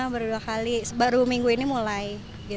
baru dua kali baru minggu ini mulai